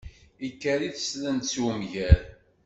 Ikker i teslent s umger.